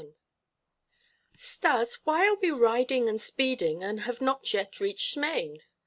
XXI "Stas, why are we riding and speeding and have not yet reached Smain?"